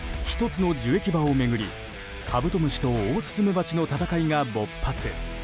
１つの樹液場を巡りカブトムシとオオスズメバチの戦いが勃発。